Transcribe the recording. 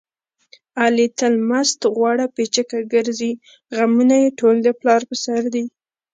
علي تل مست غوړه پیچکه ګرځي. غمونه یې ټول د پلار په سر دي.